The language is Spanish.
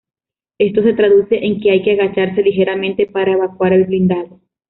Esto se traduce en que hay que agacharse ligeramente para evacuar el blindado.